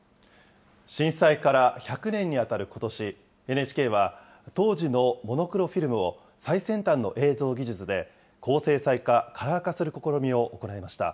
震災から１００年に当たることし、ＮＨＫは、当時のモノクロフィルムを最先端の映像技術で高精細化・カラー化する試みを行いました。